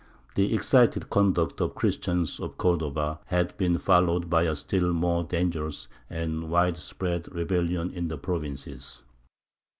The excited conduct of the Christians of Cordova had been followed by a still more dangerous and widespread rebellion in the provinces.